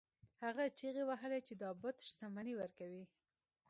هغه چیغې وهلې چې دا بت شتمني ورکوي.